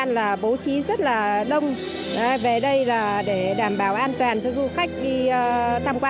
các bố trí lực lượng an ninh trật tự